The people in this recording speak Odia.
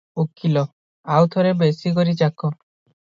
ଉକୀଲ - ଆଉ ଥରେ ବେଶି କରି ଚାଖ ।